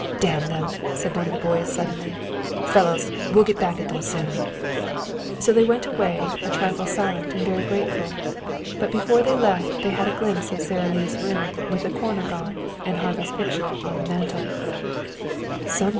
"Damn them!" said one of the boys suddenly. "Fellows, we'll get back at them soon." So they went away, a trifle silent and very grateful. But before they left they had a glimpse of Sara Lee's room, with the corner gone, and Harvey's picture on the mantel.